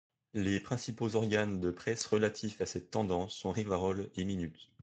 Les principaux organes de presse relatifs à cette tendance sont Rivarol et Minute.